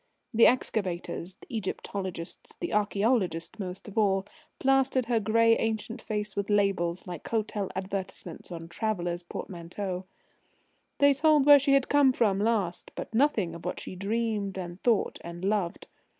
The excavators, the Egyptologists, the archaeologists most of all, plastered her grey ancient face with labels like hotel advertisements on travellers' portmanteaux. They told where she had come from last, but nothing of what she dreamed and thought and loved.